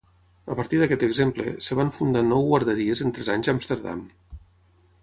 A partir d'aquest exemple, es van fundar nou guarderies en tres anys a Amsterdam.